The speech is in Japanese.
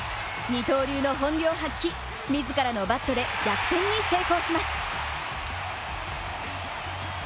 二刀流の本領発揮、自らのバットで逆転に成功します。